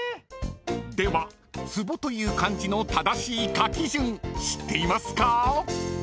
［では「壺」という漢字の正しい書き順知っていますか？］